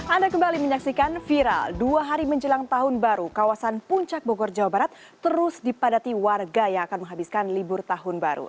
anda kembali menyaksikan viral dua hari menjelang tahun baru kawasan puncak bogor jawa barat terus dipadati warga yang akan menghabiskan libur tahun baru